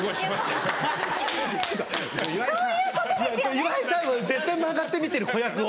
岩井さん絶対曲がって見てる子役を！